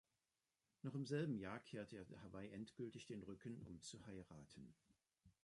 Noch im selben Jahr kehrte er Hawaii endgültig den Rücken, um zu heiraten.